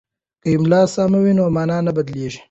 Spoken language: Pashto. که املا سمه وي نو مانا نه بدلیږي.